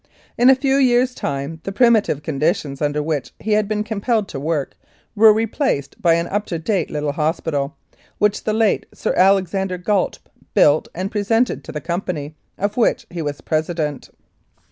In a few years' time the primitive conditions under which he had been compelled to work were replaced by an up to date little hospital, which the late Sir Alex ander Gait built and presented to the company, of which he was president.